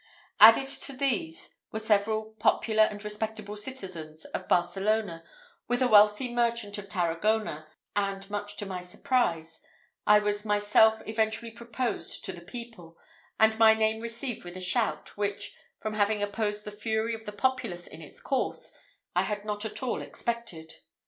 Added to these were several popular and respectable citizens of Barcelona, with a wealthy merchant of Taragona; and much to my surprise, I was myself eventually proposed to the people, and my name received with a shout, which, from having opposed the fury of the populace in its course, I had not at all expected.